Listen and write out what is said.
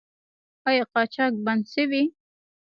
آیا قاچاق بند شوی؟